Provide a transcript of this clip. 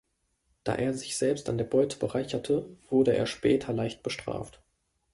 Da er sich selbst an der Beute bereicherte wurde er später leicht bestraft.